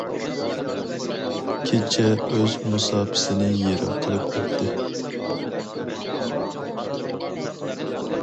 كېچە ئۆز مۇساپىسىنى يېرىم قىلىپ ئۆتتى.